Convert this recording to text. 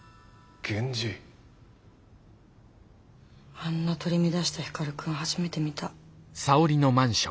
あんな取り乱した光くん初めて見た。